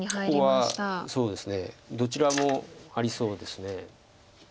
ここはそうですねどちらもありそうです。